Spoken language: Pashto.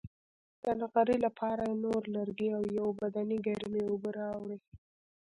د نغري لپاره یې نور لرګي او یوه بدنۍ ګرمې اوبه راوړې.